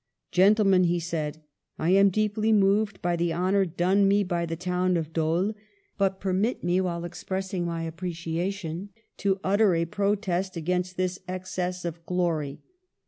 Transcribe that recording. "Gentlemen," he said, ''I am deeply moved by thf^ honour done me by the town of Dole; but permit me, while expressing my apprecia tion, to utter a protest against this excess of THE SOVEREIGNTY OF GENIUS 157 glory.